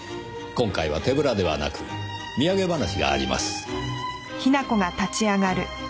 今回は手ぶらではなく土産話があります。